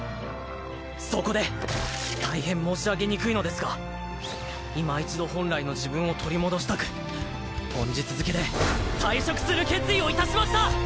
そこで大変申し上げにくいのですがいま一度本来の自分を取り戻したく本日付けで退職する決意をいたしました！